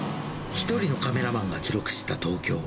一人のカメラマンが記録した東京。